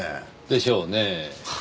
でしょうねぇ。